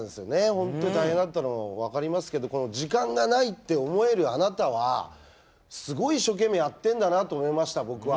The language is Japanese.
本当に大変だったの分かりますけどこの時間がないって思えるあなたはすごい一生懸命やってると思いました、僕は。